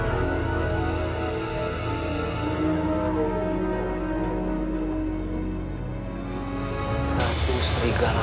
akan terbukti setelah